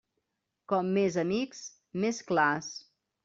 Com més amics, més clars.